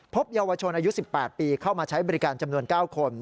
เยาวชนอายุ๑๘ปีเข้ามาใช้บริการจำนวน๙คน